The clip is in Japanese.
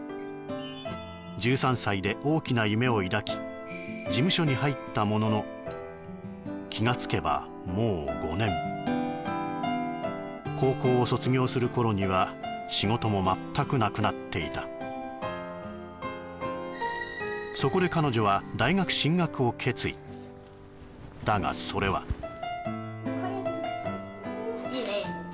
１３歳で大きな夢を抱き事務所に入ったものの気がつけばもう５年高校を卒業する頃には仕事も全くなくなっていたそこで彼女は大学進学を決意だがそれはいいね